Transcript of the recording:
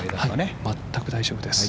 全く大丈夫です。